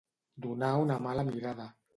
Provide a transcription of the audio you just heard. Donar una mala mirada.